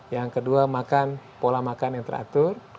yang kedua makan pola makan yang teratur